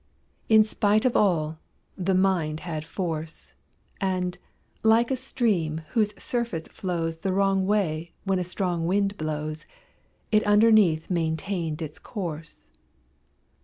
In spite of all, the mind had force, And, like a stream whose surface flows The wrong way when a strong wind blows, It underneath maintained its course.